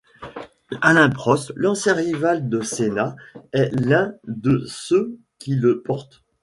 Alain Prost, l'ancien rival de Senna, est l'un de ceux qui le portent.